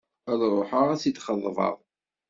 Ad ruḥeɣ ad tt-id-xeḍbeɣ.